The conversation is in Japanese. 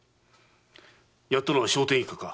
やったのは聖天一家か？